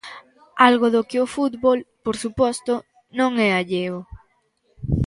Algo do que o fútbol, por suposto, non é alleo.